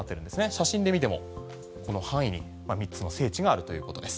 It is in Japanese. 写真で見てもこの範囲に３つの聖地があるということです。